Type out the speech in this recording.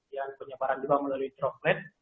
dan penyebaran juga melalui droplet